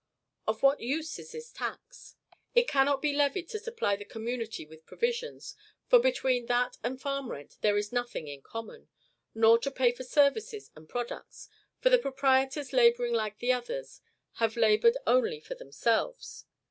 Of what use is this tax? It cannot be levied to supply the community with provisions, for between that and farm rent there is nothing in common; nor to pay for services and products, for the proprietors, laboring like the others, have labored only for themselves.